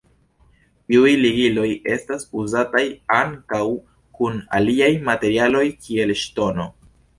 Tiuj ligiloj estas uzataj ankaŭ kun aliaj materialoj kiel ŝtono.